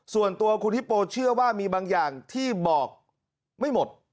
ส่วนตัวคุณฮิปโปเชื่อว่ามีบางอย่างที่บอกไม่หมด